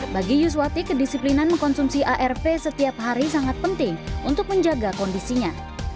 bagi yuswati kedisiplinan mengkonsumsi arv setiap hari sangat penting untuk menjaga kondisinya